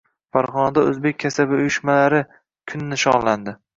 Farg‘onada O‘zbekiston kasaba uyushmalari kuni nishonlanding